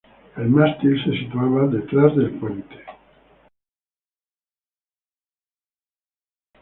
El mástil se situaba detrás del puente.